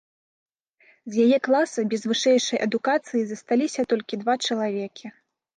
З яе класа без вышэйшай адукацыі засталіся толькі два чалавекі.